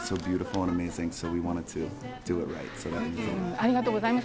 ありがとうございます。